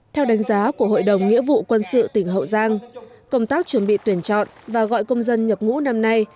theo đánh giá của hội đồng nghĩa vụ quân sự tỉnh hậu giang công tác chuẩn bị tuyển chọn và gọi công dân nhập ngũ năm nay